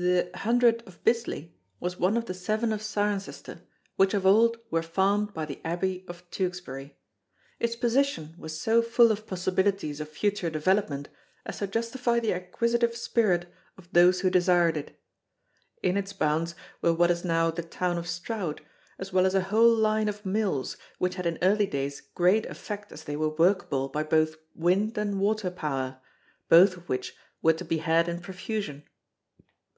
The "Hundred of Bisley" was one of the seven of Cirencester which of old were farmed by the Abbey of Tewksbury. Its position was so full of possibilities of future development as to justify the acquisitive spirit of those who desired it. In its bounds were what is now the town of Stroud, as well as a whole line of mills which had in early days great effect as they were workable by both wind and water power, both of which were to be had in profusion.